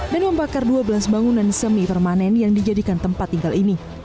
dan membakar dua belas bangunan semi permanen yang dijadikan tempat tinggal ini